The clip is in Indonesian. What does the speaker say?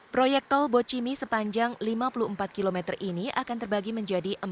proyek tol bochimi sepanjang lima puluh empat kilometer ini akan terbagi menjadi